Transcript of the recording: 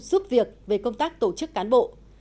giúp việc về công tác tổ chức cán bộ